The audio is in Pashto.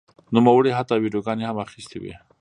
نوموړي حتی ویډیوګانې هم اخیستې وې.